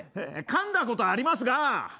かんだことありますが。